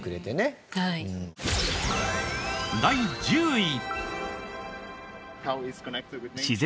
第１０位。